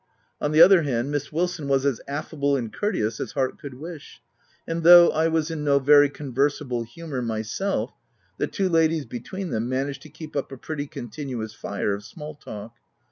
On the other hand, Miss Wilson was as affable and courteous as heart could wish, and though I was in no very 230 THE TENANT conversable humour myself, the two ladies be tween them managed to keep up a pretty con tinuous fire of small talk.